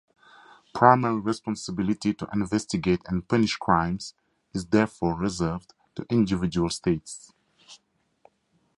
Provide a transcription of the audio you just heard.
Primary responsibility to investigate and punish crimes is therefore reserved to individual states.